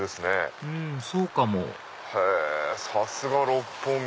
うんそうかもへぇさすが六本木。